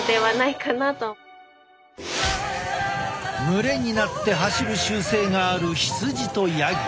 群れになって走る習性がある羊とヤギ。